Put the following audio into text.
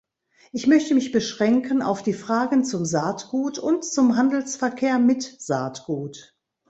Ich möchte mich beschränken auf die Fragen zum Saatgut und zum Handelsverkehr mit Saatgut.